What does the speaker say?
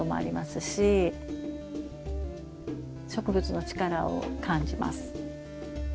植物の力を感じます。